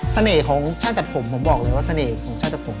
ของช่างตัดผมผมบอกเลยว่าเสน่ห์ของช่างตัดผม